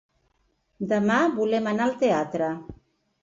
Demà volen anar al teatre.